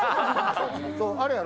あれやろ？